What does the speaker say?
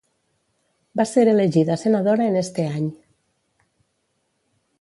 Va ser elegida senadora en este any.